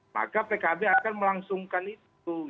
maka pkb akan melangsungkan itu